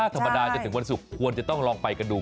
ที่จะถึงวันศุกร์ควรจะต้องลองกันดู